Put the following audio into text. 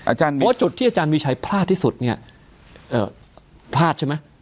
อาจารย์มีโอ้จุดที่อาจารย์มีใช้พลาดที่สุดเนี้ยเอ่อพลาดใช่ไหม